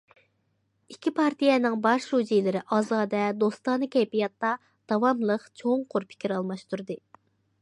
ئىككى پارتىيەنىڭ باش شۇجىلىرى ئازادە، دوستانە كەيپىياتتا داۋاملىق چوڭقۇر پىكىر ئالماشتۇردى.